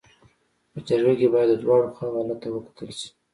په جرګه کي باید د دواړو خواو حالت ته وکتل سي.